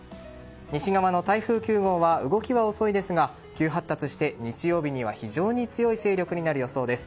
西側の台風９号は動きは遅いですが急発達して日曜日には非常に強い勢力になる予想です。